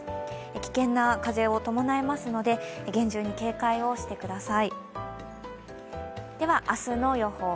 危険な風を伴いますので、厳重に警戒をしてください。